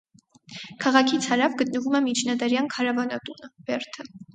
Քաղաքից հարավ գտնվում է միջնադարյան քարավանատունը, բերդը։